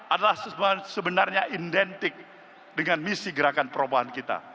adalah sebenarnya identik dengan misi gerakan perubahan kita